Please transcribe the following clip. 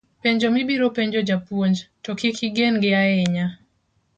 penjo mibiro penjo japuonj, to kik igengi ahinya